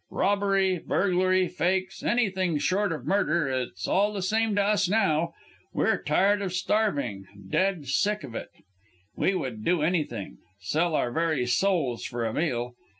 Robbery, burglary, fakes, anything short of murder it's all the same to us now we're tired of starving dead sick of it. We would do anything, sell our very souls for a meal.